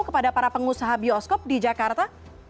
kepada para pengusaha bioskop di jakarta